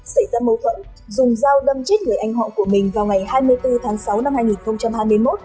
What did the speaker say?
xảy ra mâu thuẫn dùng dao đâm chết người anh họ của mình vào ngày hai mươi bốn tháng sáu năm hai nghìn hai mươi một